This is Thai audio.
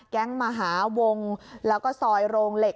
แก๊งมหาวงศ์แล้วก็ซอยโรงเหล็ก